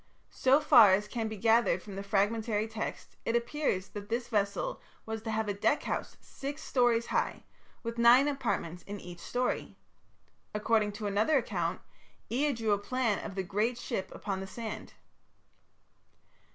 So far as can be gathered from the fragmentary text, it appears that this vessel was to have a deck house six stories high, with nine apartments in each story. According to another account, Ea drew a plan of the great ship upon the sand.